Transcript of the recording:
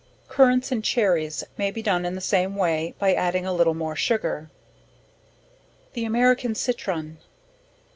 Currants and Cherries may be done in the same way, by adding a little more sugar. The American Citron.